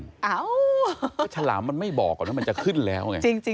ก็ฉลามมันไม่บอกว่ามันจะขึ้นแล้วไง